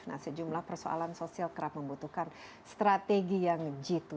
nah sejumlah persoalan sosial kerap membutuhkan strategi yang jitu